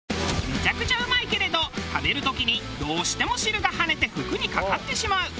めちゃくちゃうまいけれど食べる時にどうしても汁がハネて服にかかってしまう。